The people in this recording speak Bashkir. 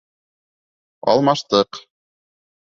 Алмаштыҡ.